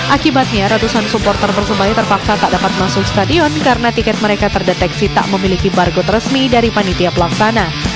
akibatnya ratusan supporter persebaya terpaksa tak dapat masuk stadion karena tiket mereka terdeteksi tak memiliki barcode resmi dari panitia pelaksana